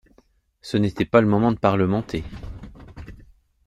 Ce n’était pas le moment de parlementer!